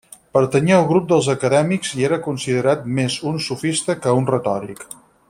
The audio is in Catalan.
Pertanyia al grup dels acadèmics i era considerat més un sofista que un retòric.